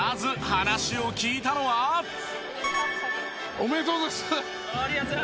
おめでとうございます。